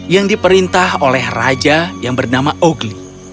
yang diperintah oleh raja yang bernama ogli